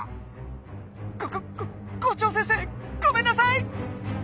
こここ校長先生ごめんなさい！